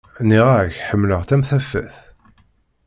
Niɣ-ak ḥemlaɣ-tt am tafat.